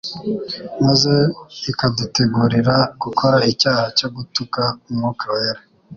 maze ikadutegurira gukora icyaha cyo gutuka Umwuka Wera.